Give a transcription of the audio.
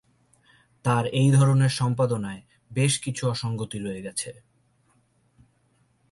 তার এই ধরনের সম্পাদনায় বেশ কিছু অসঙ্গতি রয়ে গেছে।